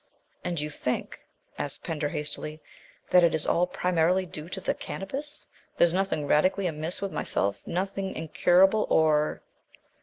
"And you think," asked Pender hastily, "that it is all primarily due to the Cannabis? There is nothing radically amiss with myself nothing incurable, or